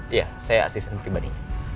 iya saya asisten pribadi